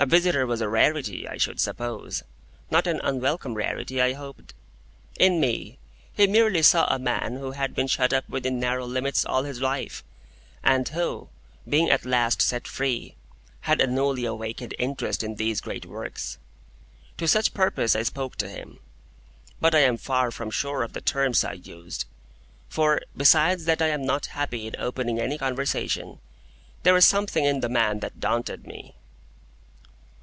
A visitor was a rarity, I should suppose; not an unwelcome rarity, I hoped? In me, he merely saw a man who had been shut up within narrow limits all his life, and who, being at last set free, had a newly awakened interest in these great works. To such purpose I spoke to him; but I am far from sure of the terms I used; for, besides that I am not happy in opening any conversation, there was something in the man that daunted me.